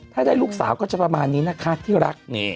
ถ้าได้ลูกสาวก็จะประมาณนี้นะคะที่รัก